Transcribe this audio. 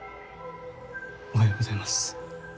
おはようございます